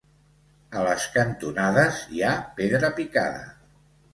A les cantonades hi ha pedra picada.